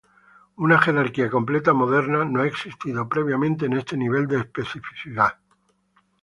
Una jerarquía completa moderna, no ha existido previamente en este nivel de especificidad.